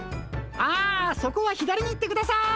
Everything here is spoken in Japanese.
あそこは左に行ってください。